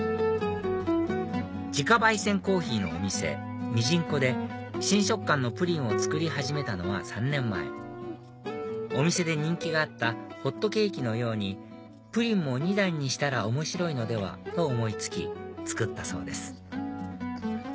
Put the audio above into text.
自家焙煎コーヒーのお店みじんこで新食感のプリンを作り始めたのは３年前お店で人気があったホットケーキのようにプリンも２段にしたら面白いのでは？と思い付き作ったそうです